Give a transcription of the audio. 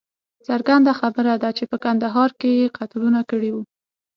څرګنده خبره ده چې په کندهار کې یې قتلونه کړي وه.